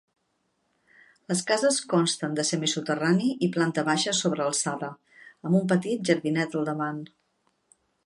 Les cases consten de semisoterrani i planta baixa sobrealçada, amb un petit jardinet al davant.